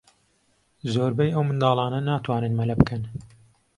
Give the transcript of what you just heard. زۆربەی ئەو منداڵانە ناتوانن مەلە بکەن.